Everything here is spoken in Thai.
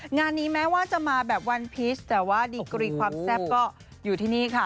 งานนี้แม้ว่าจะมาแบบวันพีชแต่ว่าดีกรีความแซ่บก็อยู่ที่นี่ค่ะ